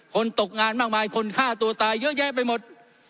ตกงานมากมายคนฆ่าตัวตายเยอะแยะไปหมด